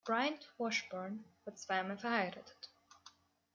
Bryant Washburn war zweimal verheiratet.